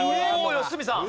良純さん。